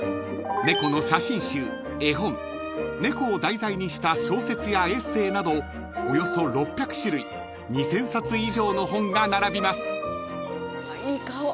［猫の写真集絵本猫を題材にした小説やエッセーなどおよそ６００種類２，０００冊以上の本が並びます］